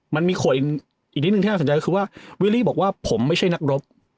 มันมีคนอีกนิดนึงที่น่าสนใจก็คือว่าวิลลี่บอกว่าผมไม่ใช่นักรบ